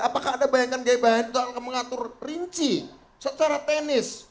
apakah ada bayangan gbhn mengatur rinci secara tenis